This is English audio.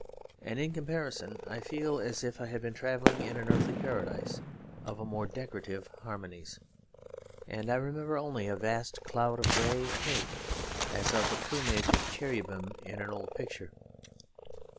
And in comparison I feel as if I had been travelling in an Earthly Paradise of more decorative harmonies; and I remember only a vast cloud of grey and pink as of the plumage of cherubim in an old picture.